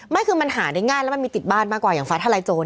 ไม่คือมันหาได้ง่ายแล้วมันมีติดบ้านมากกว่าอย่างฟ้าทลายโจร